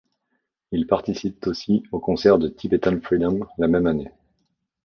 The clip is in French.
Ils participent aussi au concert Tibetan Freedom la même année.